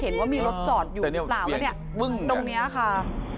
ตรงนี้ค่ะ